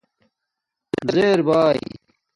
زیر باݵ